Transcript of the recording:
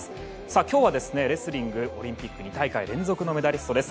今日はレスリングオリンピック２大会連続のメダリストです